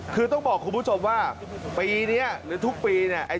คือต้องบอกคุณผู้ชมว่าปีนี้หรือทุกปีเนี่ย